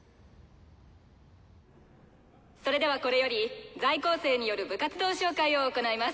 それではこれより在校生による部活動紹介を行います。